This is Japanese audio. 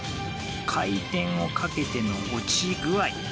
回転をかけての落ち具合。